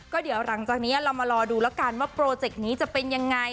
ก็เดี๋ยวหลังจากนี้เรามารอดูแล้วกันว่าโปรเจกต์นี้จะเป็นยังไง